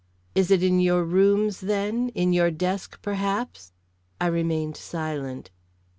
"It is in your rooms, then; in your desk, perhaps?" I remained silent.